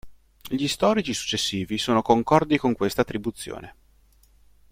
Gli storici successivi sono concordi con questa attribuzione.